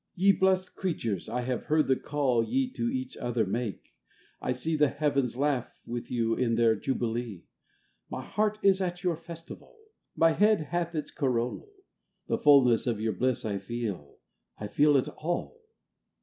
Ye blessed Creatures, I have heard the call Ye to each other make ; I see The heavens laugh with you in your jubilee; My heart is at your festival, My head hath its coronal, The fulness of your bliss, I feel â I feel it all.